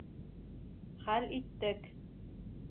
Хәл иттек.